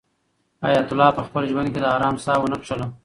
حیات الله په خپل ژوند کې د آرام ساه ونه کښله.